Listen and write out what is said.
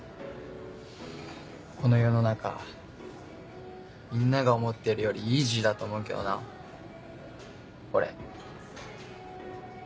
この世の中みんなが思ってるよりイージーだと思うけどな俺。